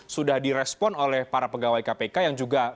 sudah di respon oleh para pegawai kpk yang juga